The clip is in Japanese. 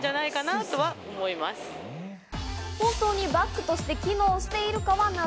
本当にバッグとして機能しているかは謎。